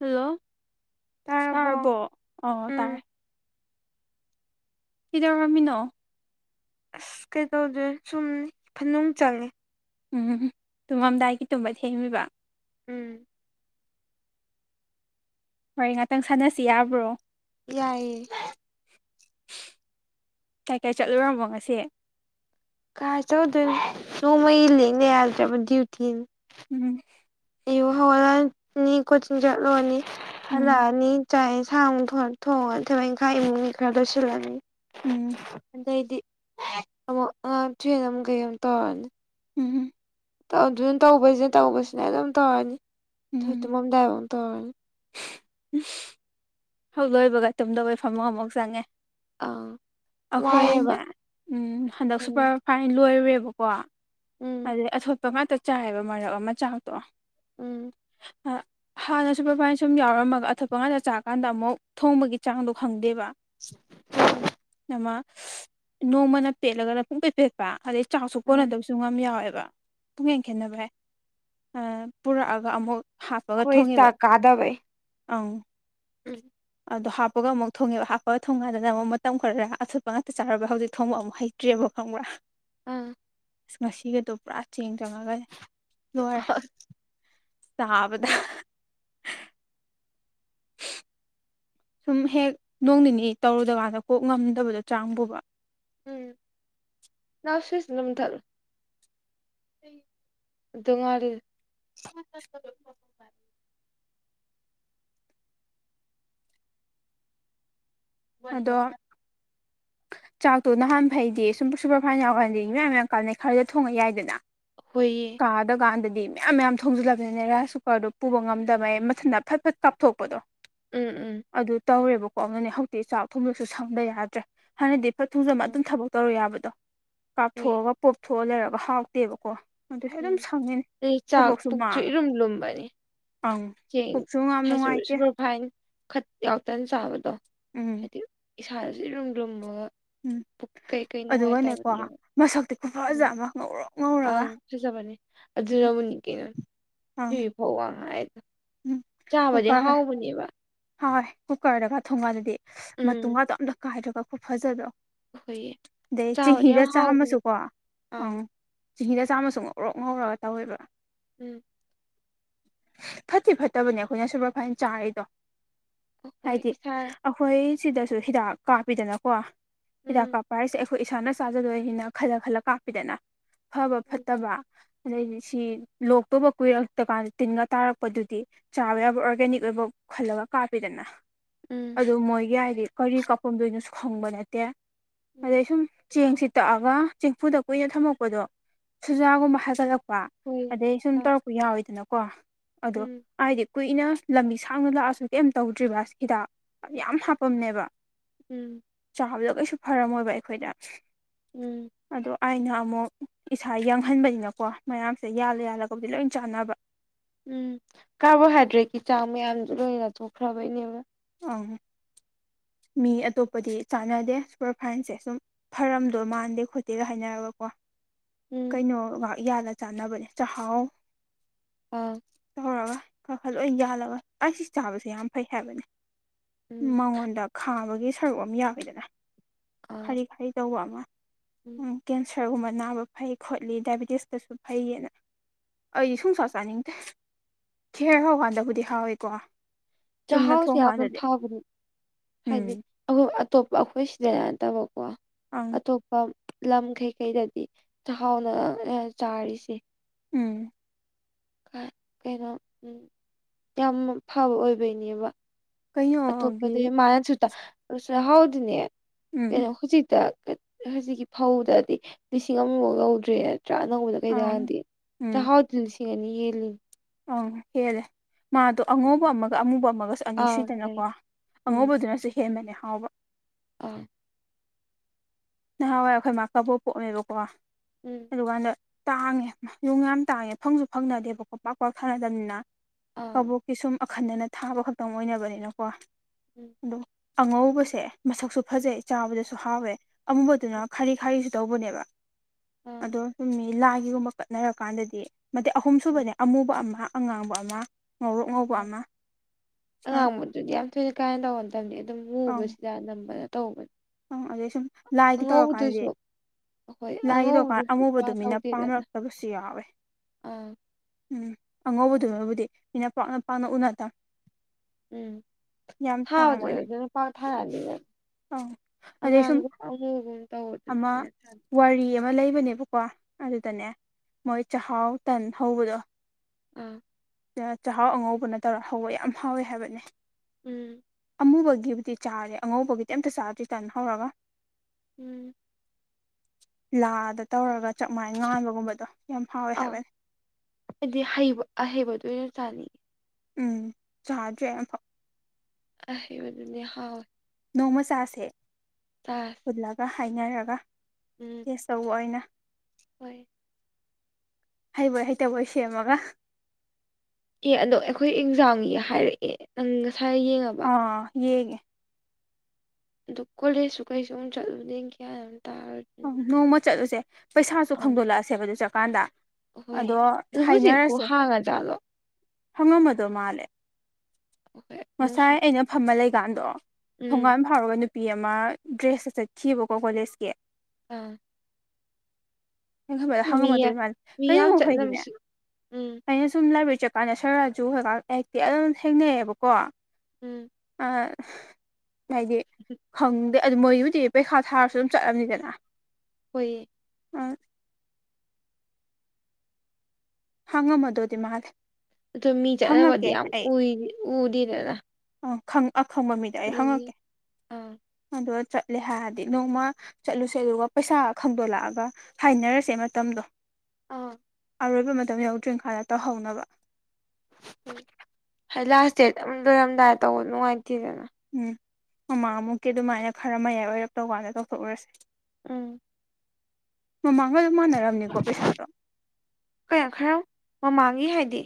hello ꯇꯥꯔꯕꯣ ꯁꯥꯔꯔꯕꯣ ꯑꯣ ꯇꯥꯔꯦ ꯎꯝ ꯀꯩꯗꯧꯔꯝꯃꯤꯅꯣ ꯑꯁ ꯀꯩꯇꯧꯗꯦ ꯁꯨꯝ ꯐꯅꯨꯡ ꯆꯪꯉꯦ ꯎꯝ ꯇꯨꯝꯃꯝꯗꯥꯏꯒꯤ ꯇꯨꯝꯕ ꯊꯦꯡꯃꯤꯕ ꯎꯝ ꯍꯣꯏ ꯉꯥꯛꯇꯪ ꯁꯥꯟꯅꯁꯤ ꯌꯥꯕ꯭ꯔꯣ ꯌꯥꯏꯑꯌꯦ ꯀꯩ ꯀꯥꯏ ꯆꯠꯂꯔꯕꯃꯣ ꯉꯁꯤ ꯀꯥꯥꯁꯧꯗ ꯁꯃꯩ ꯂ ꯂꯩ ꯌꯥꯜꯗꯦꯕ ꯗ꯭ꯌꯨꯇꯤ ꯎꯝ ꯑꯌꯨꯛ ꯍꯧꯒꯠꯂꯅꯤ ꯀꯣꯆꯤꯡ ꯆꯠꯂꯨꯔꯅꯤ ꯎꯝ ꯍꯜꯂꯛꯑꯅꯤ ꯆꯥꯛ ꯌꯦꯟꯁꯥꯡ ꯑꯃꯨꯛ ꯊ ꯊꯣꯡꯉ ꯊꯕꯛ ꯏꯪꯈꯥꯡ ꯏꯃꯨꯡꯒꯤ ꯈꯔ ꯂꯣꯏꯁꯤꯜꯂꯅꯤ ꯎꯝ ꯑꯗꯩꯗꯤ ꯑꯃꯨꯛ ꯑꯉꯥꯡ ꯇ꯭ꯔꯦꯟ ꯑꯃ ꯀꯩ ꯑꯃ ꯇꯧꯔꯅꯤ ꯎꯝ ꯇꯧꯗꯨꯅ ꯇꯧꯕꯁꯤꯅ ꯇꯧꯕꯁꯤꯅ ꯑꯗꯨꯝ ꯇꯧꯔꯅꯤ ꯇꯨꯝꯃꯝꯗꯥꯏꯕꯥꯎꯅ ꯇꯧꯔꯅꯤ ꯎ ꯍꯧ ꯂꯣꯏꯕꯒ ꯇꯨꯝꯗꯧꯕꯩ ꯐꯝꯃꯨꯡ ꯑꯃꯨꯛ ꯆꯪꯉꯦ ꯑꯥ ꯋꯥꯏꯑꯦꯕ ꯑꯩꯈꯣꯏꯅꯦ ꯎꯝ ꯍꯟꯗꯛ ꯎꯝ ꯁꯨꯄꯔ ꯐꯥꯏꯟ ꯂꯣꯏꯔꯨꯔꯦꯕꯀꯣ ꯎꯝ ꯑꯗꯩ ꯑꯊꯣꯠꯄ ꯉꯥꯛꯇ ꯆꯥꯏꯌꯦꯕ ꯃꯔꯛ ꯑꯃ ꯆꯥꯛꯇꯣ ꯎꯝ ꯍꯥꯟꯅ ꯁꯨꯄꯔꯚꯥꯏꯟ ꯁꯨꯝ ꯌꯥꯎꯔꯝꯃꯒ ꯑꯊꯣꯞꯄ ꯉꯥꯛꯇ ꯆꯥꯀꯥꯟꯗ ꯑꯃꯨꯛ ꯊꯣꯡꯕꯒꯤ ꯆꯥꯡꯗꯣ ꯈꯪꯗꯦꯕ ꯅꯃ ꯅꯣꯡꯃꯅ ꯄꯦꯠꯂꯒꯅ ꯄꯨꯡꯄꯦꯠ ꯄꯦꯠ ꯄ ꯑꯗꯩ ꯆꯥꯛꯁꯨ ꯎꯝ ꯀꯣꯟꯅꯗꯕꯁꯨ ꯑꯗꯨꯝ ꯌꯥꯎꯋꯦꯕ ꯄꯨꯡ ꯈꯦꯟ ꯈꯦꯟꯅꯕꯩ ꯄꯨꯔꯛꯑꯒ ꯑꯃꯨꯛ ꯍꯥꯞꯄꯒ ꯍꯣꯏ ꯊꯣꯡꯉꯦꯕ ꯆꯥꯛ ꯀꯥꯗꯕꯩ ꯑꯪ ꯎꯝ ꯑꯗꯣ ꯍꯥꯞꯄꯒ ꯑꯃꯨꯛ ꯊꯣꯡꯉꯦꯕ ꯍꯥꯞꯄꯒ ꯊꯣꯡꯀꯥꯟꯗꯅ ꯑꯃꯨꯛ ꯃꯇꯝ ꯈꯔ ꯑꯊꯣꯠꯄ ꯉꯥꯛꯇ ꯆꯥꯔꯨꯕꯩ ꯍꯧꯖꯤꯛ ꯊꯣꯡꯕ ꯑꯃꯨꯛ ꯍꯩ ꯇ꯭ꯔꯦꯕ ꯈꯪꯕ꯭ꯔꯥ ꯑꯥ ꯑꯁ ꯉꯁꯤꯒꯗꯣ ꯄꯨꯔꯥ ꯆꯦꯡ ꯆꯪꯉꯒꯅꯦ ꯂꯣꯏꯔꯦ ꯆꯥꯕꯗ ꯎꯝ ꯁꯨꯝ ꯍꯦꯛ ꯅꯣꯡ ꯅꯤꯅꯤ ꯇꯧꯔꯨꯗꯀꯥꯟꯗ ꯀꯣꯛ ꯉꯝꯗꯕꯗꯣ ꯆꯥꯡ ꯄꯨꯕ ꯎꯝ ꯅꯅꯥꯎ ꯁ꯭꯭ꯋꯤꯠꯆꯇꯨ ꯑꯝꯇ ꯃꯨꯊꯛꯂꯣ ꯑꯗꯨ ꯉꯥꯜꯂꯤ [unintelligible] ꯑꯗꯣ ꯆꯥꯛꯇꯣ ꯅꯍꯥꯟ ꯐꯩꯗꯤ ꯁꯨꯝ ꯁꯨꯄꯔ ꯐꯥꯏꯟ ꯌꯥꯎ ꯀꯥꯟꯗꯦ ꯃꯌꯥꯝ ꯌꯥꯝ ꯀꯥꯟꯅꯩ ꯈꯔꯗ ꯊꯣꯡꯉ ꯌꯥꯏꯗꯅ ꯍꯣꯌꯦ ꯀꯥꯗꯀꯥꯟꯗꯗꯤ ꯃꯌꯥꯝ ꯃꯌꯥꯝ ꯊꯣꯡꯖꯤꯜꯂꯕꯅꯤꯅꯅꯦ ꯔꯥꯏꯁ ꯀꯨꯀꯔꯗꯨꯣ ꯄꯨꯕ ꯉꯝꯗꯕꯩ ꯃꯊꯟꯇ ꯐꯠ ꯐꯠ ꯀꯥꯞꯊꯣꯛꯄꯗꯣ ꯎꯝ ꯑꯗꯨ ꯇꯧꯔꯦꯕꯀꯣ ꯑꯗꯨꯅꯦ ꯍꯧꯖꯤꯛꯇꯤ ꯆꯥꯛ ꯊꯣꯡꯕꯁꯨ ꯁꯪꯕ ꯌꯥꯗ꯭ꯔꯦ ꯍꯥꯟꯅꯗꯤ ꯐꯠ ꯊꯣꯡꯖꯜꯂꯝꯃ ꯑꯗꯨꯝ ꯎꯝ ꯊꯕꯛ ꯇꯧꯔ ꯌꯥꯕꯗꯣ ꯍꯣꯏꯌꯦ ꯀꯥꯞꯊꯣꯛꯑꯒ ꯄꯣꯞꯊꯣꯛꯑ ꯂꯩꯔꯒ ꯍꯥꯎꯇꯦꯕꯀꯣ ꯑꯗꯨꯁꯨ ꯎꯝ ꯑꯗꯨꯝ ꯁꯪꯉꯤꯅꯤ ꯑꯩ ꯆꯥꯛ ꯊꯕꯛꯁꯨ ꯄꯨꯛꯁꯨ ꯃꯥꯡꯉꯦ ꯏꯔꯨꯝ ꯂꯨꯝꯕꯅꯤ ꯑꯪ ꯆꯦꯡ ꯄꯨꯛꯁꯨ ꯌꯥꯝ [unintelligible] ꯅꯨꯡꯉꯥꯏꯇꯦ ꯁꯨꯄꯔꯚꯥꯏꯟ ꯈꯠ ꯌꯥꯎꯇꯅ ꯆꯥꯕꯗꯣ ꯎꯝ ꯍꯥꯏꯗꯤ ꯏꯁꯥꯗꯁꯨ ꯏꯔꯨꯝ ꯂꯨꯝꯃꯒ ꯎꯝ ꯄꯨꯛ ꯀꯩꯀꯩ ꯑꯗꯨꯒꯅꯦꯀꯣ ꯅꯨꯡꯉꯥꯏꯇꯕꯅꯦꯕ ꯃꯁꯛꯇꯤ ꯈꯨꯐꯖ ꯑꯃ ꯉꯧꯔꯣꯛ ꯉꯧꯔꯒ ꯆꯨꯖꯕꯅꯦ ꯎꯝ ꯑꯗꯨꯅꯕꯨꯅꯤ ꯀꯩꯅꯣ ꯑꯪ ꯊꯣꯏꯕꯤ ꯐꯧ ꯋꯥꯡ ꯍꯥꯏꯗ ꯎꯝ ꯆꯥꯕꯗꯤ ꯍꯥꯎꯕꯅꯦꯕ ꯍꯥꯎꯋꯦ ꯀꯨꯀꯔꯗꯒ ꯊꯣꯡꯀꯥꯟꯗꯗꯤ ꯎꯝ ꯃꯇꯨꯝꯒꯥꯗꯣ ꯑꯝꯇ ꯀꯥꯏꯗ꯭ꯔꯒ ꯈꯨꯐꯖꯗꯣ ꯍꯣꯏꯌꯦ ꯑꯗꯩ ꯆꯥꯕꯗꯤ ꯆꯤꯡꯍꯤꯗ ꯌꯥꯝ ꯍꯥꯎꯕꯅꯦ ꯆꯥꯝꯃꯁꯨꯀꯣ ꯑꯥ ꯑꯪ ꯆꯤꯡꯍꯤꯗ ꯆꯥꯝꯁꯨ ꯉꯧꯔꯣꯛ ꯉꯧꯔꯒ ꯇꯧꯋꯦꯕꯥ ꯎꯝ ꯐꯠꯇꯤ ꯐꯠꯇꯕꯅꯦ ꯑꯩꯈꯣꯏꯅ ꯁꯨꯄꯔ ꯐꯥꯏꯟ ꯆꯥꯔꯤꯗꯣ ꯑꯩꯈꯣꯏ ꯍꯥꯏꯗꯤ ꯏꯁꯥ ꯑꯩꯈꯣꯏ ꯁꯤꯗꯁꯨ ꯍꯤꯗꯥꯛ ꯀꯥꯞꯄꯤꯗꯅꯀꯣ ꯍꯤꯗꯥꯛ ꯎꯝ ꯀꯥꯞꯄ ꯍꯥꯏꯁꯦ ꯑꯩꯈꯣꯏ ꯏꯁꯥꯅ ꯆꯥꯖꯗꯣꯏꯅꯤꯅ ꯈꯜꯂ ꯈꯜꯂ ꯀꯥꯞꯄꯤꯗꯅ ꯐꯕ ꯐꯠꯇꯕ ꯑꯗꯩꯗꯤ ꯁꯤ ꯂꯣꯛꯇꯧꯕ ꯀꯨꯏꯔꯛꯇ ꯀꯥꯟꯗ ꯇꯤꯟꯒ ꯇꯥꯔꯛꯄꯗꯨꯗꯤ ꯆꯥꯕ ꯌꯥꯕ ꯑꯣꯔꯒꯥꯅꯤꯛ ꯑꯣꯏꯕ ꯈꯜꯂꯒ ꯀꯥꯞꯄꯤꯗꯅ ꯎꯝ ꯑꯗꯨ ꯃꯣꯏꯒꯤ ꯑꯥꯏꯗꯤ ꯀꯔꯤ ꯀꯥꯞꯄꯝꯗꯣꯏꯅꯣꯁꯨ ꯈꯪꯕ ꯅꯠꯇꯦ ꯑꯗꯩ ꯁꯨꯝ ꯆꯦꯡꯁꯤ ꯇꯛꯑꯒ ꯆꯦꯡꯐꯨꯗ ꯀꯨꯏꯅ ꯊꯝꯃꯛꯄꯗꯣ ꯁꯨꯖꯥꯒꯨꯝꯕ ꯍꯥꯏꯒꯠꯂꯛꯄ ꯍꯣꯏ ꯗꯩ ꯁꯨꯝ ꯑ ꯇꯧꯔꯛꯄ ꯌꯥꯎꯋꯤꯗꯅꯣꯀꯣ ꯑꯗꯨ ꯎꯝ ꯑꯥꯏꯗꯤ ꯀꯨꯏꯅ ꯂꯝꯕꯤ ꯁꯥꯡꯅ ꯂꯥꯛꯑꯁꯨ ꯀꯩꯝ ꯇꯧꯗ꯭ꯔꯤꯕ ꯑꯁꯦ ꯍꯤꯗꯥꯛ ꯌꯥꯝ ꯍꯥꯞꯄꯝꯅꯦꯕ ꯎꯝ ꯆꯥꯕꯗ ꯀꯩꯁꯨ ꯐꯔꯝꯃꯣꯏꯕ ꯑꯩꯈꯣꯏꯗ ꯎꯝ ꯑꯗꯣ ꯑꯩꯅ ꯑꯃꯨꯛ ꯏꯁꯥ ꯌꯥꯡꯍꯟꯕꯅꯤꯅꯀꯣ ꯃꯌꯥꯝꯁꯦ ꯌꯥꯜꯂ ꯌꯥꯜꯂꯒꯕꯨꯗꯤ ꯂꯣꯏ ꯆꯥꯟꯅꯕ ꯎꯝ ꯀꯥꯔꯕꯣꯍꯥꯏꯗ꯭ꯔꯦꯠꯀꯤ ꯆꯥꯡ ꯃꯌꯥꯝꯁꯨ ꯂꯣꯏꯅ ꯊꯣꯛꯈ꯭ꯔꯕꯩꯅꯦꯕ ꯑꯪ ꯃꯤ ꯑꯇꯣꯞꯄꯗꯤ ꯆꯥꯟꯅꯗꯦ ꯁꯨꯄꯔ ꯐꯥꯏꯟꯁꯦ ꯁꯨꯝ ꯐꯔꯝꯗꯣꯏ ꯃꯥꯟꯗꯦ ꯈꯣꯠꯇꯦꯒ ꯍꯥꯏꯅꯔꯒꯀꯣ ꯎꯝ ꯀꯩꯅꯣ ꯉꯍꯥꯛ ꯌꯥꯜꯂ ꯆꯥꯅꯕꯅꯦ ꯆꯥꯛꯍꯥꯎ ꯑꯥ ꯇꯧꯔꯒ ꯈꯔ ꯈꯔ ꯂꯣꯏ ꯌꯥꯜꯂꯒ ꯑꯩꯁꯤ ꯆꯥꯕꯁꯦ ꯌꯥꯝ ꯐꯩ ꯍꯥꯏꯕꯅꯤ ꯎꯝ ꯃꯉꯣꯟꯗ ꯈꯥꯕꯒꯤ ꯁꯔꯨꯛ ꯑꯃ ꯌꯥꯎꯏꯗꯅ ꯑꯥ ꯈꯥꯔꯤ ꯈꯥꯔꯤ ꯇꯧꯕ ꯑꯃ ꯎꯝ ꯀꯦꯟꯁꯔꯒꯨꯝꯕ ꯅꯥꯕ ꯐꯩ ꯈꯣꯠꯂꯤ ꯗꯥꯏꯕꯦꯇꯤꯁꯇꯁꯨ ꯐꯩꯌꯦꯅ ꯑꯩ ꯁꯨꯡꯆꯥ ꯆꯥꯅꯤꯡꯗꯦ ꯈꯦꯔ ꯍꯥꯎꯀꯥꯟꯗꯕꯨꯗꯤ ꯍꯥꯎꯋꯦꯀꯣ ꯆꯥꯛꯍꯥꯎꯁꯦ ꯌꯥꯝꯅ ꯐꯥꯕꯅꯦ ꯍꯥꯏꯗꯤ ꯎꯝ ꯑꯇꯣꯞꯄ ꯑꯩꯈꯣꯏ ꯁꯤꯗ ꯅꯠꯇꯕꯀꯣ ꯑꯪ ꯑꯇꯣꯞ ꯂꯝ ꯀꯩꯀꯩꯗꯗꯤ ꯆꯥꯛꯍꯥꯎꯅ ꯆꯥꯔꯤꯁꯦ ꯎꯝ ꯀꯩꯅꯣ ꯌꯥꯝ ꯐꯕ ꯑꯣꯏꯕꯩꯅꯦꯕ ꯀꯩꯅꯣꯒꯤ ꯑꯇꯣꯞꯄꯗ ꯃꯥꯅꯁꯨ ꯆꯥꯛꯍꯥꯎꯗꯤꯅꯦ ꯀꯩꯅꯣ ꯎꯝ ꯍꯧꯖꯤꯛꯇ ꯍꯧꯖꯤꯛꯀꯤ ꯐꯧꯗꯗꯤ ꯂꯤꯁꯤꯡ ꯑꯃꯐꯥꯎ ꯌꯧꯗ꯭ꯔꯦ ꯑꯅꯧꯕꯗ ꯀꯩꯗ ꯑꯪ ꯒꯥꯗꯤꯗꯦ ꯎꯝ ꯆꯥꯛꯍꯥꯎꯗꯤ ꯂꯤꯁꯤꯡ ꯑꯅꯤ ꯍꯦꯜꯂꯤ ꯑꯪ ꯍꯦꯜꯂꯦ ꯃꯥꯗꯣ ꯑꯉꯧꯕ ꯑꯃꯒ ꯑꯃꯨꯕ ꯑꯃꯒꯁꯨ ꯑꯅꯤ ꯑꯥ ꯂꯩ ꯁꯨꯏꯗꯅꯀꯣ ꯑꯉꯧꯕꯗꯨꯅꯁꯨ ꯍꯦꯟꯕꯅꯦ ꯍꯥꯎꯕ ꯑꯣ ꯅꯍꯥꯟꯋꯥꯏ ꯑꯩꯈꯣꯏ ꯃꯥ ꯀꯕꯣꯛ ꯄꯣꯛꯑꯦꯕꯀꯣ ꯎꯝ ꯑꯗꯨꯀꯥꯟꯗ ꯇꯥꯡꯉꯦ ꯌꯣꯡ ꯌꯥꯝ ꯇꯥꯡꯉꯦ ꯐꯪꯁꯨ ꯐꯪꯅꯗꯦꯕꯀꯣ ꯄꯥꯛ ꯄꯥꯛ ꯊꯥꯅꯗꯕꯅꯤꯅ ꯑꯥ ꯀꯕꯣꯛꯀꯤ ꯁꯨꯝ ꯑꯈꯟꯅꯅ ꯊꯥꯕ ꯈꯛꯇꯪ ꯑꯣꯏꯅꯕꯅꯤꯅꯀꯣ ꯎꯝ ꯑꯗꯣ ꯑꯉꯧꯕꯁꯦ ꯃꯁꯛꯁꯨ ꯐꯖꯩ ꯆꯥꯕꯗꯁꯨ ꯍꯥꯎꯋꯦ ꯑꯃꯨꯕꯗꯨꯅ ꯈꯥꯔꯤ ꯈꯥꯔꯤꯁꯨ ꯇꯧꯕꯅꯦꯕ ꯑꯥ ꯑꯗꯣ ꯆꯨꯝ ꯃꯤ ꯂꯥꯏꯒꯤꯒꯨꯝꯕ ꯀꯠꯅꯔꯀꯥꯟꯗꯗꯤ ꯅꯠꯇꯦ ꯑꯍꯨꯝ ꯁꯨꯕꯅꯦ ꯑꯃꯨꯕ ꯑꯃ ꯑꯉꯥꯡꯕ ꯑꯃ ꯉꯧꯔꯣꯛ ꯉꯧꯕ ꯑꯃ ꯑꯗꯨꯗꯤ ꯌꯥꯝ ꯊꯣꯏꯅ ꯀꯥ ꯍꯦꯟꯅ ꯇꯧꯕ ꯅꯠꯇꯕꯅꯤ ꯑꯗꯨꯝ ꯂꯨꯕꯁꯤꯗ ꯅꯝꯕꯅ ꯇꯧꯕꯅꯦ ꯑ ꯑꯗꯨ ꯁꯨꯝ ꯂꯥꯏꯒꯤ ꯇꯧꯔꯀꯥꯟꯗꯗꯤ ꯍꯣꯏ ꯂꯥꯏꯒꯤ ꯗꯨꯀꯥꯟ ꯑꯉꯧꯕꯗꯨꯁꯨ ꯑꯃꯨꯕꯗꯨ ꯄꯥꯛ ꯃꯤꯅ ꯇꯧꯗꯦꯗꯅ ꯄꯥꯝꯅꯔꯛꯇꯕꯁꯨ ꯌꯥꯎꯋꯦ ꯑꯥ ꯎꯝ ꯑꯉꯧꯕꯗꯨꯅꯕꯨꯗꯤ ꯃꯤꯅ ꯄꯥꯛꯅ ꯄꯥꯛꯅ ꯎꯅꯗ ꯎꯝ ꯊꯥꯕꯗꯨ ꯇꯥꯡꯕ ꯑꯗꯨꯅ ꯄꯥꯛ ꯊꯥꯅꯗꯦꯗꯅ ꯑꯧ ꯑꯗꯩ ꯑꯉꯥꯡ ꯁꯨꯝ ꯑ ꯍꯣ ꯎ ꯇ ꯑꯃ ꯍꯣꯗꯨꯅꯤꯅ ꯆ ꯋꯥꯔꯤ ꯑꯃ ꯂꯩꯕꯅꯦꯕꯀꯣ ꯑꯗꯨꯗꯅꯦ ꯃꯣꯏ ꯆꯥꯛꯍꯥꯎ ꯇꯟ ꯍꯧꯕꯗꯣ ꯎꯝ ꯆꯥꯛꯍꯥꯎ ꯑꯉꯧꯕꯅ ꯇꯧꯔ ꯍꯧꯕ ꯌꯥꯝ ꯍꯥꯎꯋꯦ ꯍꯥꯏꯕꯅꯦ ꯎꯝ ꯑꯃꯨꯕꯒꯤꯕꯨꯗꯤ ꯆꯥꯔꯦ ꯑꯉꯧꯕꯒꯤꯗꯤ ꯑꯝꯇ ꯆꯥꯔ꯭ꯗꯤ ꯇꯥꯟ ꯍꯧꯔꯒ ꯎꯝ ꯂꯥꯗ ꯇꯧꯔꯒ ꯆꯥꯛꯃꯥꯏꯗ ꯉꯥꯟꯕꯒꯨꯝꯕꯗꯣ ꯌꯥꯝ ꯍꯥꯎꯋꯦ ꯍꯥꯏꯕꯅꯤ ꯍꯥꯏꯗꯤ ꯍꯩꯕ ꯑꯍꯩꯕꯗ ꯑꯣꯏꯅ ꯆꯥꯅꯤꯡꯌꯦ ꯎꯝ ꯆꯥꯗ꯭ꯔꯦ ꯑꯝꯐꯥꯎ ꯍꯥꯎ ꯅꯣꯡꯃ ꯆꯥꯥꯁꯦ ꯆꯥꯁꯦ ꯄꯨꯜꯂꯒ ꯍꯥꯏꯅꯔꯒ ꯎꯝ ꯇꯦꯁ ꯇꯧꯕ ꯑꯣꯢꯅ ꯍꯣꯏ ꯍꯩꯕꯣꯏ ꯍꯩꯇꯕꯣꯏ ꯁꯦꯝꯃꯒ ꯑꯦ ꯑꯗꯣ ꯑꯩꯈꯣꯏ ꯑꯦꯟꯖꯥꯡꯒꯤ ꯍꯥꯏꯔꯛꯑꯦ ꯅꯪ ꯉꯁꯥꯏ ꯌꯦꯡꯉ ꯑꯥ ꯌꯦꯡꯒ ꯑꯗꯨ ꯀꯣꯂꯦꯖꯁꯨ ꯀꯩꯁꯨ ꯑꯃꯨꯛ ꯆꯠꯂꯨꯗꯦ ꯀꯌꯥꯨ ꯇꯥꯔ ꯑ ꯅꯣꯡꯃ ꯆꯠꯂꯨꯁꯦ ꯄꯩꯁꯥꯁꯨ ꯈꯪꯗꯣꯛꯂꯛꯑꯁꯦꯕ ꯑꯗꯨ ꯆꯠꯀꯥꯟꯗ ꯍꯣꯏ ꯑꯗꯣ ꯑꯗꯣ ꯍꯧꯖꯤꯛꯄꯨ ꯍꯥꯏꯅꯔꯁꯦ ꯍꯥꯡꯉꯖꯥꯠꯂꯣ ꯍꯪꯉꯝꯃꯗꯣ ꯃꯥꯜꯂꯦ ꯍꯣꯏ ꯉꯁꯥꯏ ꯑꯃꯨꯛꯁꯨ ꯑꯩꯅ ꯐꯃ ꯂꯩꯀꯥꯟꯗꯣ ꯎꯝ ꯊꯣꯡꯒꯥꯟ ꯐꯥꯎꯔꯒ ꯅꯨꯄꯤ ꯑꯃ ꯗ꯭ꯔꯦꯁꯇ ꯆꯠꯈꯤꯕꯀꯣ ꯀꯣꯂꯦꯖꯀꯤ ꯑꯥ ꯈꯕꯗ ꯃꯤ ꯍꯪꯉꯝꯃꯗꯣꯏ ꯃꯥ ꯃꯤ ꯌꯥꯝ ꯀꯩꯅꯈꯣꯏꯒꯤꯅꯦ ꯆꯠꯅꯕꯁꯨ ꯎꯝ ꯑꯩꯅ ꯁꯨꯝ ꯂꯥꯏꯕ ꯆ ꯀꯥꯏꯅ ꯁꯔꯥꯖꯨ ꯍꯧꯀꯥꯟ ꯍꯦꯛꯇꯤ ꯑꯗꯨꯝ ꯊꯦꯡꯅꯩꯑꯕꯀꯣ ꯎꯝ ꯍꯥꯏꯗꯤ ꯈꯪꯗꯦ ꯑꯗꯨ ꯃꯣꯏꯒꯤꯕꯨꯖꯤ ꯄꯩꯈꯥ ꯊꯥꯔꯁꯨ ꯑꯗꯨꯝ ꯆꯠꯂꯅꯤꯗꯅ ꯍꯣꯏꯌꯦ ꯑ ꯍꯪꯉ ꯃ ꯑꯗꯨꯗꯤ ꯃꯥꯂꯦ ꯑ ꯃꯤ ꯆꯠꯅꯕꯗꯤ ꯌꯥꯝꯏ ꯎꯗꯦꯗꯅ ꯑ ꯑꯈꯪꯕ ꯃꯤꯗ ꯑꯩ ꯑꯗꯨꯒꯤ ꯍꯪꯉꯛꯀꯦ ꯑꯥ ꯑꯗꯣ ꯆꯠꯂꯦ ꯍꯥꯏꯔꯗꯤ ꯅꯣꯡꯃ ꯆꯠꯂꯨꯁꯦ ꯑꯗꯨꯒ ꯄꯩꯁꯥ ꯈꯪꯗꯣꯛꯂꯛꯑꯒ ꯍꯥꯏꯅꯔꯁꯦ ꯃꯇꯝꯗꯣ ꯑꯥ ꯑꯔꯣꯏꯕ ꯃꯇꯝ ꯌꯎꯗ꯭ꯔꯤ ꯏꯪꯈꯥꯗ ꯇꯧꯍꯧꯅꯕ ꯎ ꯍꯥꯏ ꯂꯥꯁ ꯗꯦꯠ ꯑꯝ ꯂꯣꯏꯔꯝꯗꯥꯏ ꯇꯧꯕ ꯅꯨꯡꯉꯥꯏꯇꯦꯗꯅ ꯎꯝ ꯃꯥꯡꯃꯨꯛꯀꯤ ꯑꯗꯨꯃꯥꯏꯅ ꯈꯔ ꯃꯌꯥꯏ ꯑꯣꯏꯔꯞ ꯇꯧ ꯀꯥꯟꯗ ꯇꯧꯊꯣꯛꯎꯔꯁꯦ ꯎꯝ ꯃꯃꯥꯡꯒ ꯑꯗꯨꯝ ꯃꯥꯟꯅꯔꯔꯕꯅꯤꯀꯣ ꯄꯩꯁꯥꯗꯣ ꯀꯌꯥꯝ ꯈꯔ ꯃꯃꯥꯡꯉ ꯍꯥꯏꯗꯤ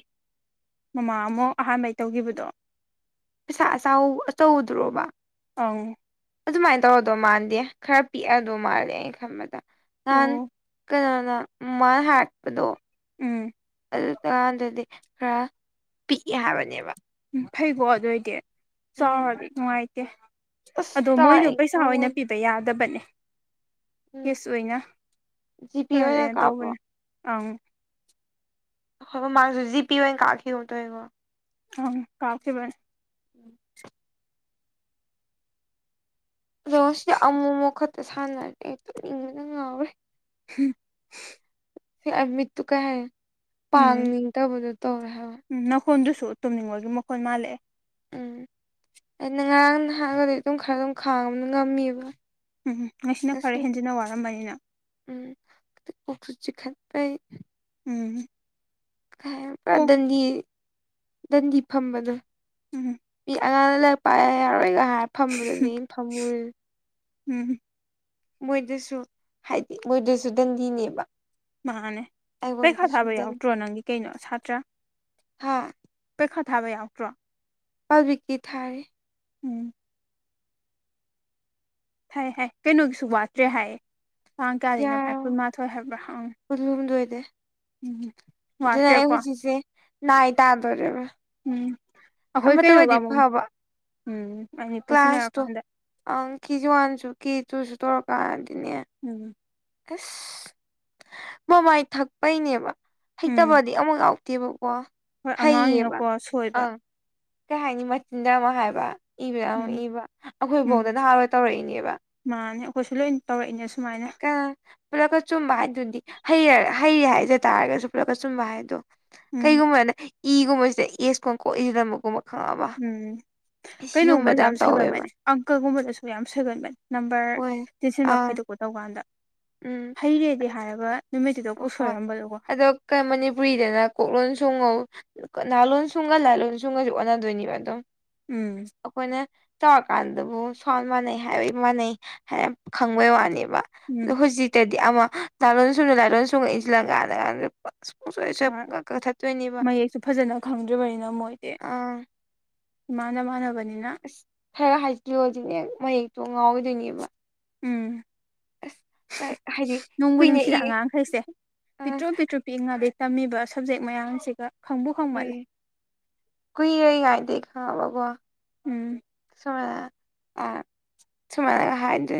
ꯃꯃꯥ ꯑꯃꯨꯛ ꯑꯍꯥꯟꯕꯩ ꯇꯧꯈꯤꯕꯗꯣ ꯄꯩꯁꯥ ꯑꯆ ꯑꯆꯧꯗ꯭ꯔꯣꯕ ꯑꯪ ꯑꯗꯨꯃꯥꯏꯅ ꯇꯧꯔꯗꯣ ꯃꯥꯥꯟꯗꯦ ꯈꯔ ꯄꯤꯛꯑꯗꯧ ꯃꯥꯜꯂꯦ ꯑꯩꯅ ꯈꯟꯕꯗ ꯅꯍꯥꯟ ꯑꯣ ꯀꯅꯥꯅ ꯃꯥꯥꯏ ꯍꯥꯠꯄꯗꯣ ꯎꯝ ꯑꯗꯨꯀꯥꯟꯗꯗꯤ ꯈꯔ ꯄꯤꯛꯏ ꯍꯥꯏꯕꯅꯦꯕ ꯎꯝ ꯐꯩꯀꯣ ꯑꯗꯨꯏꯗꯤ ꯎꯝ ꯆꯥꯎꯔꯗꯤ ꯅꯨꯡꯉꯥꯏꯇꯦ ꯑꯁ ꯑꯗꯣ ꯇꯥꯔ ꯃꯣꯏꯗ ꯑꯩ ꯄꯩꯁꯥ ꯑꯣꯏꯅ ꯉꯝꯃꯣꯏꯗ ꯄꯤꯕ ꯌꯥꯗꯕꯅꯦ ꯎꯝ ꯀꯦꯁ ꯑꯣꯏꯅ ꯖꯤꯄꯦ ꯑꯣꯏꯅ ꯐꯔ ꯀꯥꯞꯄꯣ ꯇꯧꯕꯅꯦ ꯑꯪ ꯍ ꯃꯥꯥꯡꯁꯨ ꯖꯤ ꯄꯄꯤ ꯑꯣꯏꯅ ꯀꯥꯈꯤꯕꯣ ꯇꯣꯏꯉꯣ ꯑꯪ ꯀꯥꯎꯈꯤꯕꯅꯤ ꯑꯗꯣ ꯁꯤꯗ ꯑꯃꯨꯛ ꯑꯃꯨꯛ ꯈꯛꯇ ꯁꯥꯟꯅꯔꯦ ꯍꯦꯛꯇ ꯏꯪꯕꯗ ꯉꯥꯎꯔꯦ ꯍꯝ ꯑꯃꯤꯠ ꯇꯨ ꯀ ꯍꯥꯏꯦ ꯎꯝ ꯄꯥꯡꯅꯤꯡ ꯀꯕꯨꯗꯨ ꯇꯧꯔ ꯎꯝ ꯅꯥꯈꯣꯟꯗꯨꯁꯨ ꯇꯨꯝꯅꯤꯡꯉꯣꯏꯒꯤ ꯃꯈꯣꯟꯜ ꯃꯥꯜꯂꯛꯑꯦ ꯎꯝ ꯑꯩꯅ ꯉꯔꯥꯡ ꯅꯍꯥꯡꯒꯗꯤ ꯑꯗꯨꯝ ꯈꯔ ꯑꯗꯨꯝ ꯈꯥꯡꯕꯅ ꯉꯝꯃꯦꯕ ꯎꯝ ꯉꯁꯤꯅ ꯐꯔ ꯉꯁꯤꯗꯤ ꯍꯦꯟꯖꯤꯟꯅ ꯋꯥꯔꯝꯕꯅꯤꯅ ꯎꯝ ꯀ ꯆꯤꯈꯥꯄꯩ ꯎꯝ ꯄꯨꯔꯥ ꯑꯣ ꯗꯟꯗꯤ ꯗꯟꯗꯤ ꯐꯝꯕꯅ ꯎꯝ ꯑꯉꯥꯡꯅ ꯂꯔꯤꯛ ꯄ ꯌꯥꯔꯣꯏꯒ ꯍꯥꯏꯔ ꯐꯝꯕꯗꯨꯅꯦ ꯑꯩꯅ ꯐꯝꯃꯨꯨꯔ ꯎꯝ ꯃꯣꯏꯗꯁꯨ ꯍꯥꯏꯗꯤ ꯃꯣꯏꯗꯁꯨ ꯗꯟꯗꯤꯅꯦꯕ ꯃꯥꯅꯦ ꯄꯩꯈꯥ ꯑꯩꯉꯣꯟꯗꯁꯨ ꯊꯥꯕ ꯗꯟꯗꯤ ꯌꯥꯎꯗ꯭ꯔꯣ ꯅꯪꯒꯤ ꯀꯩꯅꯣ ꯁꯥꯇ꯭ꯔ ꯍꯥ ꯄꯩ ꯈꯥ ꯊꯥꯕ ꯌꯥꯎꯛꯇ꯭ꯔꯣ ꯄꯜꯕꯤꯀꯤ ꯊꯥꯔꯦ ꯎꯝ ꯍꯥꯏꯥꯏ ꯍꯥꯏ ꯀꯩꯅꯣꯒꯤꯁꯨ ꯋꯥꯠꯇ꯭ꯔꯦ ꯍꯥꯏꯌꯦ ꯇꯥꯡ ꯀꯌꯥꯗꯤꯅꯚꯥꯏ ꯀꯨꯟꯃꯥꯊꯣꯏ ꯍꯥꯏꯕ꯭ꯔꯥꯪ ꯀꯨꯟ ꯍꯨꯝꯗꯣꯏꯗ ꯑꯗꯨꯅ ꯑꯩ ꯋꯥꯠꯇ꯭ꯔꯦꯀꯣ ꯍꯧꯖꯤꯛꯁꯦ ꯅꯥꯏ ꯇꯥꯗꯣꯔꯦꯕ ꯎꯝ ꯑꯩꯈꯣꯏ ꯑꯃꯇ ꯀꯩꯅꯣꯒ ꯑꯣꯏꯗꯤ ꯑꯃꯨꯛ ꯐꯕ ꯎꯝ ꯑꯅꯤ ꯀ꯭ꯂꯥꯁꯇꯣ ꯄꯨꯟꯁꯤꯟꯅꯔꯀꯥꯟꯗ ꯑꯪ ꯀꯦꯖꯤ ꯋꯥꯟꯁꯨ ꯀꯦꯖꯤ ꯇꯨꯁꯨ ꯇꯧꯔꯛꯀꯥꯟ ꯑꯗꯨꯅꯦ ꯎꯝ ꯑꯁ ꯃꯃꯥꯏ ꯊꯛꯄꯩꯅꯦꯕ ꯎꯝ ꯍꯩꯇꯕ ꯗꯤ ꯑꯃꯛ ꯌꯥꯥꯎꯇꯦꯕꯀꯣ ꯍꯣꯏ ꯍꯩꯌꯦꯕ ꯑꯉꯥꯡꯅꯤꯅꯀꯣ ꯁꯣꯏꯕ ꯑꯥ ꯀꯩ ꯍꯥꯏꯅꯤ ꯃꯆꯤꯟꯗ ꯑꯃꯛ ꯍꯥꯏꯕ ꯏꯕꯗ ꯑꯃꯨꯛ ꯎꯝ ꯏꯕ ꯎꯝ ꯑꯩꯈꯣꯏꯐꯥꯎꯗ ꯅꯍꯥꯟꯋꯥꯏ ꯇꯧꯔꯛꯏꯅꯦꯕ ꯃꯥꯅꯦ ꯑꯩꯈꯣꯏꯁꯨ ꯂꯣꯏ ꯇꯧꯔꯛꯏꯅꯦ ꯁꯨꯃꯥꯏꯅ ꯄꯨꯂꯛꯀ ꯆꯨꯝꯕ ꯍꯥꯏꯗꯨꯗꯤ ꯍ ꯍꯩ ꯍꯥꯏꯖ ꯇꯥꯔꯒꯁꯨ ꯄꯨꯂꯞꯀ ꯆꯨꯝꯕ ꯍꯥꯏꯗꯣ ꯎꯝ ꯀꯩꯒꯨꯝꯕꯅ ꯏꯒꯨꯝꯕꯁꯤꯗ ꯑꯦꯁꯀꯨꯝꯕ ꯀꯣꯛꯗꯒꯨꯝꯕ ꯎꯝ ꯀꯩꯅꯣꯒꯨꯝꯕꯁꯨ ꯌꯥꯝ ꯁꯣꯏꯒꯟꯕꯅꯤ ꯑꯪꯀꯜꯒꯨꯝꯕꯗꯁꯨ ꯌꯥꯝ ꯁꯣꯏꯒꯟꯕꯅꯤ ꯅꯝꯕꯔ ꯍꯣꯏ ꯇꯦꯟꯁꯤꯟ ꯑꯪ ꯃꯈꯥꯏꯗ ꯄꯣ ꯇꯧ ꯀꯥꯟꯗ ꯎꯝ ꯍꯩꯔꯦꯗꯤ ꯍꯥꯏꯒ ꯍꯣꯏ ꯑꯗꯣ ꯃꯅꯤꯄꯨꯔꯤꯗꯅ ꯀꯣꯛꯂꯂꯣꯟ ꯁꯨꯡꯉꯧ ꯅꯍꯥ ꯂꯣꯟ ꯁꯨꯡꯒ ꯂꯥ ꯂꯣꯟ ꯁꯨꯡꯒꯁꯨ ꯑꯣꯟꯅꯗꯣꯏꯅꯦꯕ ꯑꯗꯨꯝ ꯎꯝ ꯑꯩꯈꯣꯏꯅ ꯆꯥꯎꯧꯔꯀꯥꯟꯗꯕꯨ ꯁ꯭ꯋꯥꯜ ꯃꯥꯟꯅꯩ ꯍꯥꯏꯔꯏ ꯃꯥꯟꯅꯩ ꯍꯥꯏꯅ ꯈꯪꯕꯩ ꯋꯥꯅꯦꯕ ꯎꯝ ꯑꯣ ꯍꯧꯖꯤꯛꯇꯗꯤ ꯑꯃ ꯂꯥꯂꯣꯟꯣꯟ ꯁꯨꯡꯅ ꯂꯥꯣꯟ ꯁꯨꯡꯉꯛꯏꯁꯤ ꯂꯪꯀꯥꯟꯗꯥꯟꯗ ꯑꯣꯏ ꯃꯌꯦꯛꯁꯨ ꯐꯖꯅ ꯈꯪꯗ꯭ꯔꯔꯤꯕꯅꯤꯅ ꯃꯣꯏꯗꯤ ꯑꯥ ꯏꯃꯥꯟꯅ ꯃꯥꯟꯅꯕꯅꯤꯅ ꯈꯔ ꯍꯥꯏꯖꯤꯂꯣꯑꯣꯖꯤꯅꯦ ꯃꯌꯦꯛꯇꯣ ꯉꯥꯎꯔꯣꯏꯗꯣꯏꯅꯦꯕ ꯎꯝ ꯍꯥꯏꯗꯤ ꯅꯨꯡꯕꯨ ꯀꯨꯏꯅ ꯅꯨꯡꯁꯤꯗ ꯏ ꯑꯉꯥꯡꯈꯩꯁꯦ ꯑꯥ ꯄꯤꯛꯇ꯭ꯔꯨ ꯄꯤꯛꯇ꯭ꯔꯨ ꯄꯤꯛꯏꯉꯩꯗ ꯇꯝꯃꯤꯕ ꯁꯕꯖꯦꯛ ꯃꯌꯥꯝꯁꯤꯒ ꯈꯪꯕꯨ ꯈꯪꯃꯜꯂꯦ ꯀꯨꯏꯔꯦ ꯀꯥꯏꯗꯦ ꯈꯪꯉꯕꯀꯣ ꯎꯝ [unintelligible] ꯁꯃꯥꯏ ꯁꯃꯥꯏꯅ ꯍꯥꯏꯗꯨ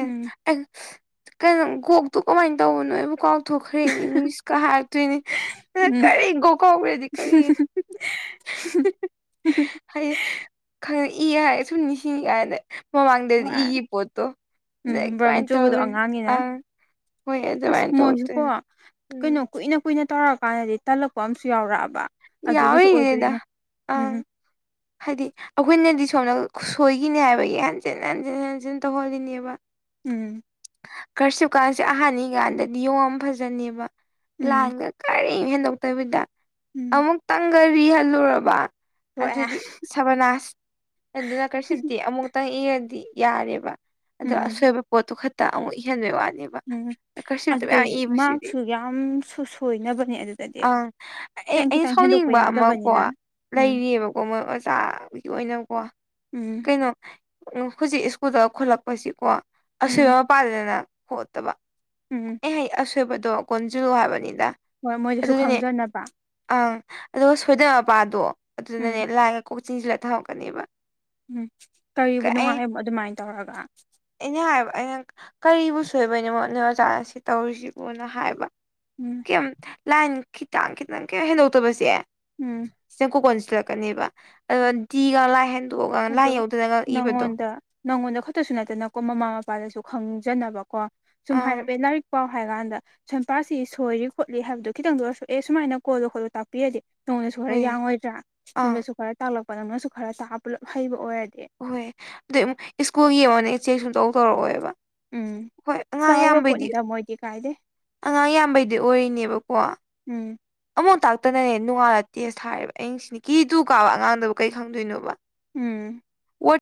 ꯎꯝ ꯀꯣꯛꯇꯨ ꯀꯃꯥꯏꯅ ꯇꯧꯕꯅꯣꯕꯨ ꯀꯥꯎꯊꫭꯛ ꯊꯣꯛꯈ꯭ꯔꯦꯅꯤ ꯃꯤꯁꯀ ꯍꯥꯔꯛꯇꯣꯏꯅꯤ ꯑꯗ ꯎꯝ ꯀꯔꯤ ꯒꯣ ꯀꯥꯎꯈ꯭ꯔꯗꯤ ꯀꯔꯤ [unintelligible] ꯃꯃꯥꯡꯗꯗꯤ ꯍꯣꯏ ꯏꯒꯤ ꯄꯣꯠꯇꯣ ꯑꯗꯩ ꯎꯝ ꯕ꯭ꯔꯝ ꯀꯃꯥꯏꯅ ꯆꯨꯕꯗꯣ ꯇꯧꯏ ꯑꯉꯥꯡꯅꯤꯅ ꯑ ꯍꯣꯏ ꯑꯁ ꯑꯗꯃꯥꯏꯅ ꯃꯣꯏꯁꯨꯀꯣ ꯇꯧꯗꫭꯏꯅꯦ ꯎꯝ ꯀꯩꯅꯣ ꯀꯨꯏꯅ ꯀꯨꯏꯅ ꯇꯧꯔꯛꯑꯀꯥꯟꯗꯗꯤ ꯇꯜꯂꯛꯄ ꯑꯃꯁꯨ ꯌꯥꯎꯔꯛꯑꯕ ꯑꯗꯨꯒꯤꯁꯨ ꯌꯥꯎꯔꯤꯅꯤꯗ ꯑꯣꯏꯗꯣꯏꯅꯦ ꯎꯝ ꯑꯪ ꯎꯝ ꯍꯥꯏꯗꯤ ꯑꯩꯈꯣꯏꯅꯗꯤ ꯁꯣꯝꯗ ꯁꯣꯏꯈꯤꯅꯤ ꯍꯥꯏꯕꯒꯤ ꯍꯟꯖꯤꯟ ꯍꯟꯖꯤꯟ ꯍꯟꯖꯤꯟ ꯇꯧꯍꯜꯂꯤꯅꯦꯕ ꯎꯝ ꯈꯔꯁꯤꯞꯀꯥꯟꯁꯦ ꯑꯍꯥꯟꯕꯅꯤꯀꯥꯟꯗꯗꯤ ꯌꯦꯣꯉꯝ ꯐꯖꯅꯦꯕ ꯎꯝ ꯂꯥꯟꯒ ꯀꯔꯤꯝ ꯍꯦꯟꯗꯣꯛꯇꯕꯤꯗ ꯎꯝ ꯑꯃꯨꯛꯇꯪꯒꯔꯤ ꯍꯜꯂꯨꯔꯕ ꯊꯣꯛꯑꯦ ꯑꯗꯨꯗꯤ ꯁꯕꯅꯥꯁ ꯑꯗꯨꯅ ꯀꯔꯤꯁꯤꯞꯇꯤ ꯑꯃꯨꯛꯇꯪ ꯏꯔꯗꯤ ꯌꯥꯔꯦꯕ ꯑꯗꯣ ꯎꯝ ꯑꯁꯣꯏꯕ ꯄꯣꯠꯇꯨ ꯈꯛꯇ ꯑꯃꯨꯛ ꯏꯍꯟꯕꯩ ꯋꯥꯅꯦꯕ ꯎꯝ ꯀꯔꯁꯤꯞꯇ ꯑꯗꯨ ꯃꯌꯥꯝ ꯏꯕꯁꯤꯗꯤ ꯃꯥꯔꯛꯁꯨ ꯌꯥꯝ ꯁꯣꯏꯅꯕꯅꯦ ꯑꯗꯨꯗꯗꯤ ꯑꯦ ꯈꯤꯇꯪ ꯑꯩꯅ ꯈꯤꯇꯪ ꯍꯦꯟꯗꯣꯛꯄ ꯁꯥꯎꯅꯤꯡꯕ ꯑꯃꯀꯣ ꯌꯥꯗꯕꯅꯤꯅ ꯎꯝ ꯂꯩꯔꯤꯑꯕꯀꯣ ꯃꯣꯏ ꯑꯣꯖꯥꯒꯤ ꯑꯣꯏꯅꯀꯣ ꯎꯝ ꯀꯩꯅꯣ ꯎ ꯍꯧꯖꯤꯛ ꯁ꯭ꯀꯨꯜꯗ ꯈꯨꯠꯂꯛꯄꯁꯤꯀꯣ ꯑꯁꯣꯏꯕ ꯎꯝ ꯃꯄꯥꯗꯗꯅ ꯈꯣꯠꯇꯕ ꯎꯝ ꯑꯦꯍꯥꯏ ꯑꯁꯣꯏꯕꯗꯣ ꯀꯣꯟꯖꯂꯨ ꯍꯥꯏꯕꯅꯤꯗ ꯍꯣꯏ ꯃꯣꯏꯗꯁꯨ ꯑꯗꯨꯒꯤꯅꯦ ꯈꯪꯖꯅꯕ ꯑꯪ ꯑꯗꯨꯒ ꯁꯣꯏꯗꯕꯄꯥꯗꯣ ꯎꯝ ꯑꯗꯨꯅꯅꯦ ꯂꯥꯏ ꯀꯣꯏꯁꯤꯟꯂꯒ ꯊꯝꯃꯛꯀꯅꯦꯕ ꯎꯝ ꯀꯔꯤꯕꯨ ꯅꯨꯡꯉꯥꯏꯕ ꯑꯗꯨꯃꯥꯏꯅ ꯇꯧꯔꯒ ꯑꯦꯅꯦ ꯍꯥꯏꯕ ꯑꯩꯅ ꯀꯔꯤꯕꯨ ꯁꯣꯏꯕꯅꯦ ꯃꯣꯠꯅꯦ ꯑꯣꯖꯥꯅ ꯁꯤ ꯇꯧꯔꯤꯁꯤꯕꯣꯅ ꯍꯥꯏꯕ ꯎꯝ ꯀꯩ ꯂꯥꯏꯟ ꯈꯤꯇꯪ ꯈꯤꯇꯪ ꯀꯩ ꯍꯦꯟꯗꯣꯛꯇꯕꯁꯦ ꯎꯝ ꯁꯤꯅ ꯀꯨꯀꯣꯟ ꯁꯤꯜꯂꯛꯀꯅꯦꯕ ꯑꯗꯨꯒ ꯎꯝ ꯗꯤꯒ ꯂꯥꯏ ꯍꯦꯟꯗꯣꯛꯑꯒ ꯂꯥꯏ ꯑꯗꯣ ꯌꯧꯗꯅꯒ ꯏꯕꯗꯣ ꯅꯪꯉꯣꯟꯗ ꯅꯪꯉꯣꯟꯗ ꯈꯛꯇꯁꯨ ꯅꯠꯇꯅꯀꯣ ꯃꯃꯥ ꯃꯄꯥꯗꯁꯨ ꯈꯪꯖꯅꯕꯀꯣ ꯁꯨꯝ ꯑꯪ ꯍꯥꯏꯔꯛꯄꯦ ꯂꯥꯏꯔꯤꯛꯄꯣ ꯍꯥꯏꯔ ꯀꯥꯟꯗ ꯁꯝꯄꯥꯁꯤ ꯁꯣꯏꯔꯤ ꯈꯣꯠꯂꯤ ꯍꯥꯏꯕꯗꯣ ꯈꯤꯇꯪꯗ ꯑꯣꯏꯔꯁꯨ ꯑꯦ ꯁꯨꯃꯥꯏꯅ ꯀꯣꯜꯂꯣ ꯈꯣꯠꯂꯣ ꯇꯥꯛꯄꯤꯔꯗꯤ ꯅꯣꯡꯗꯁꯨ ꯈꯔ ꯍꯣꯏ ꯌꯥꯡꯉꯣꯏꯗ꯭ꯔꯥ ꯑꯪ ꯆꯤꯟꯕꯁꯨ ꯈꯔ ꯇꯥꯛꯂꯛꯄ ꯅꯪꯅꯁꯨ ꯈꯔ ꯇꯥꯛꯑ ꯄꯨꯜꯂꯞ ꯍꯩꯕ ꯑꯣꯏꯔꯗꯤ ꯍꯍꯣꯏ ꯑꯗꯨꯩ ꯏꯁ꯭ꯀꯨꯜ ꯌꯦꯡꯉꯅꯦ ꯆꯦꯛ ꯁꯨꯝ ꯇꯧ ꯇꯧꯔꯛꯑꯣꯕ ꯎꯝ ꯆꯥꯎꯔ ꯄꯣꯠꯅꯤꯗ ꯃꯣꯏꯗꯤ ꯀꯥꯏꯗꯦ ꯑꯉꯥꯡ ꯌꯥꯝꯕꯩꯗꯤ ꯑꯣꯏꯔꯤꯅꯦꯕꯀꯣ ꯎꯝ ꯑꯃꯨꯣ ꯇꯥꯛꯇꯅꯅꯦ ꯅꯣꯡꯉꯥꯜꯂ ꯇꯦꯁ ꯊꯥꯔꯦꯕ ꯑ ꯁꯤꯅꯤ ꯀꯤ ꯇꯨ ꯀꯥꯕ ꯑꯉꯥꯡꯗꯨꯕꯨ ꯀꯩ ꯈꯪꯗꯣꯏꯅꯣꯕ ꯎꯝ ꯋꯥꯔꯗ